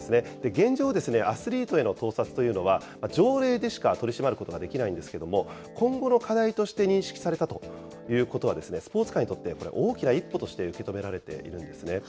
現状、アスリートへの盗撮というのは、条例でしか取り締まることができないんですけれども、今後の課題として認識されたということは、スポーツ界にとって、これ、大きな一歩として受け止められているんですね。